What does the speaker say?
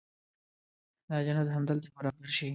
دا جنت همدلته برابر شي.